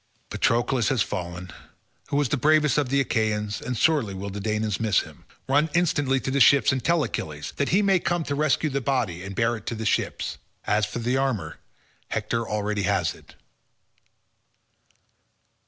Patroclus has fallen, who was the bravest of the Achaeans, and sorely will the Danaans miss him. Run instantly to the ships and tell Achilles, that he may come to rescue the body and bear it to the ships. As for the armour, Hector already has it."